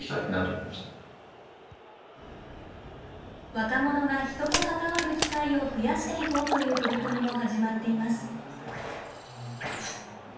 若者が人と関わる機会を増やしていこうという取り組みも始まっています。